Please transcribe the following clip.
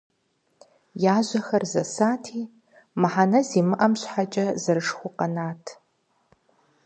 Я жьэхэр зэсати, мыхьэнэ зимыӏэм щхьэкӏэ зэрышхыу къэнат.